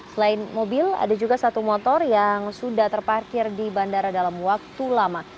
selain mobil ada juga satu motor yang sudah terparkir di bandara dalam waktu lama